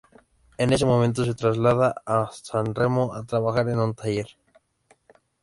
En ese momento se traslada a San Remo a trabajar en un taller.